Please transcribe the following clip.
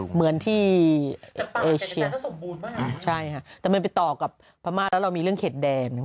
เหมือนที่เอเชียใช่ค่ะแต่มันไปต่อกับพม่าแล้วเรามีเรื่องเข็ดแดง